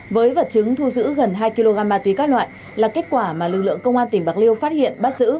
với vật chứng thu giữ gần hai kg ma túy các loại là kết quả mà lực lượng công an tỉnh bạc liêu phát hiện bắt giữ